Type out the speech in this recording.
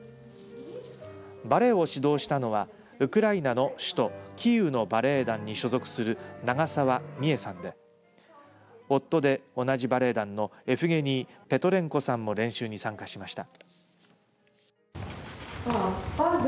バレエを指導したのはウクライナの首都キーウのバレエ団に所属する長澤美絵さんで夫で同じバレエ団のエフゲニー・ペトレンコさんも練習に参加しました。